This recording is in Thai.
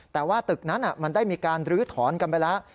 แต่ว่าตึกนั้นมันได้มีการลื้อถอนกันไปแล้ว